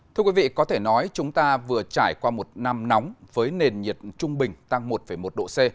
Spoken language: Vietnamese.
thưa quý vị có thể nói chúng ta vừa trải qua một năm nóng với nền nhiệt trung bình tăng một một độ c